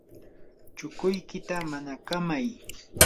chukuykita manakamay.